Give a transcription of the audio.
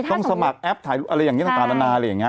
ต้องสมัครแอปถ่ายอะไรอย่างนี้ต่างนานาอะไรอย่างนี้